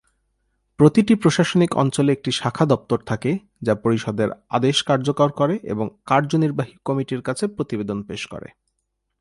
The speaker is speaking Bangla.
প্রতিটি প্রশাসনিক অঞ্চলে একটি শাখা দপ্তর থাকে, যা পরিষদের আদেশ কার্যকর করে এবং কার্যনির্বাহী কমিটির কাছে প্রতিবেদন পেশ করে।